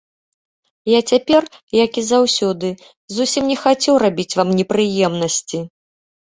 Я цяпер, як і заўсёды, зусім не хацеў рабіць вам непрыемнасці.